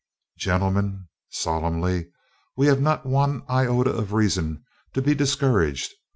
"Gentlemen," solemnly, "we have not one iota of reason to be discouraged!